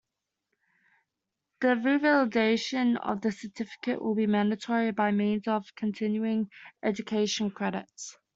The revalidation of the certificate will be mandatory by means of continuing education credits.